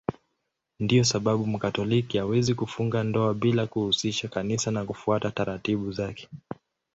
Ndiyo sababu Mkatoliki hawezi kufunga ndoa bila ya kuhusisha Kanisa na kufuata taratibu zake.